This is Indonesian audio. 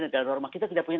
dalam norma kita tidak punya